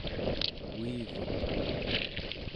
uivuq